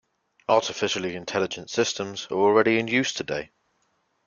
Artificially Intelligent Systems are already in use today.